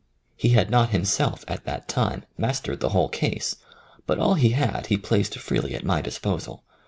He had not himself at that time mastered the whole case, but all he had he placed freely at my disposal.